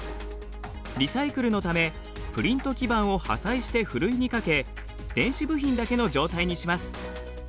リサイクルのためプリント基板を破砕してふるいにかけ電子部品だけの状態にします。